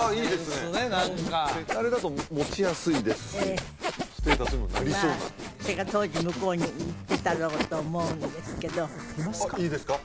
扇子ね何かあれだと持ちやすいですしステータスにもなりそうなそれが当時向こうに行ってたろうと思うんですけどいいですか？